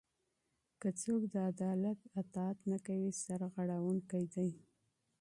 که څوک د دولت اطاعت نه کوي سرغړونکی دی.